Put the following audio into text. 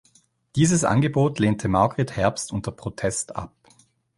Dieses Angebot lehnte Margrit Herbst unter Protest ab.